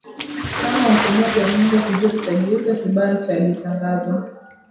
Kama wasemavyo wahenga kizuri chajiuza kibaya chqjitangaza